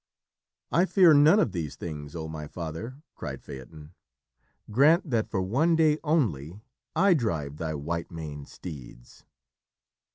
"I fear none of these things, oh my father!" cried Phaeton. "Grant that for one day only I drive thy white maned steeds!"